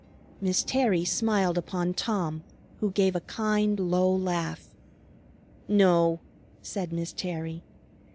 Miss Terry smiled upon Tom, who gave a kind, low laugh. "No," said Miss Terry.